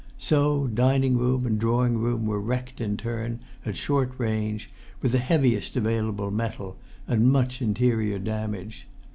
So dining room and drawing room were wrecked in turn, at short range, with the heaviest available metal, and much interior damage.